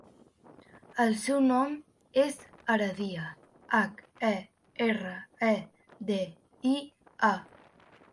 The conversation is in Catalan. El seu cognom és Heredia: hac, e, erra, e, de, i, a.